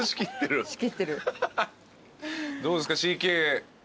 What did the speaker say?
どうですか？